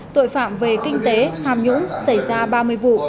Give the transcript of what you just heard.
tội phạm về kinh tế tham nhũng xảy ra ba mươi vụ